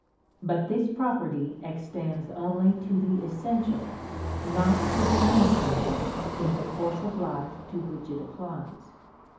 But this property extends only to the essential, not to the unessential in the course of life to which it applies.